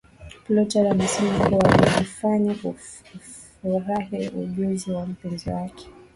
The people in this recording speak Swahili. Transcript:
Plutarch anasema kuwa alijifanya kufurahia ujuzi wa mpenzi wake